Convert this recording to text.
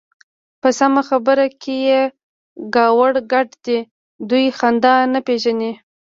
په سمه خبره کې يې کاوړ ګډ دی. دوی خندا نه پېژني.